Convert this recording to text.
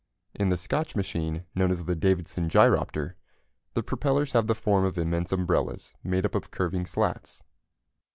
In the Scotch machine, known as the Davidson gyropter, the propellers have the form of immense umbrellas made up of curving slats.